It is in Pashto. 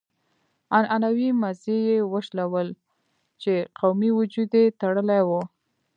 عنعنوي مزي يې وشلول چې قومي وجود يې تړلی و.